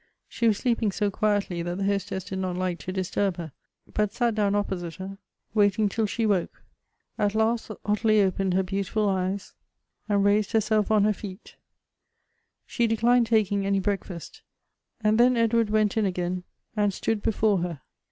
She was sleeping so quietly that the hostess did not like to disturb her, but sat down opj)osite her, waiting till she woke. At last Ottilie opened her beautiful eyes, and Elective Affinities. 303 raised herself on her feet. She declined taking any bi eakfast, and then Edward went in again and stood before her.